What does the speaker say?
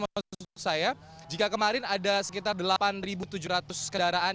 maksud saya jika kemarin ada sekitar delapan tujuh ratus kendaraan